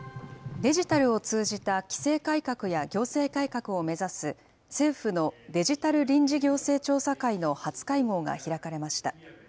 デジタルを通じた規制改革や行政改革を目指す、政府のデジタル臨時行政調査会の初会合が開かれました。